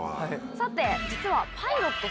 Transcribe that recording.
さて実は。